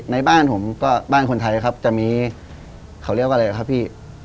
ในบ้านผมก็บ้านคนไทยครับจะมีเขาเรียกว่าอะไรครับพี่